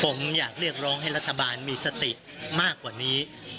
ผมอยากเรียกร้องให้รัฐบาลมีสติมากกว่านี้